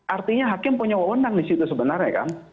artinya hakim punya wawonan di situ sebenarnya kan